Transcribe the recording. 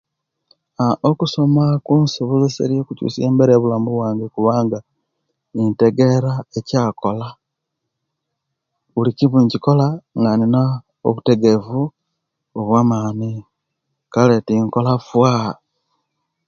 Aah okusoma kunsobozeseriye okukyusa embera ya bulamu wange kubanga ntegera ekyakola buli kimu inkikola nga inina obutegevu obwa mani Kale tinkola fa